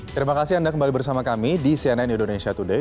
terima kasih anda kembali bersama kami di cnn indonesia today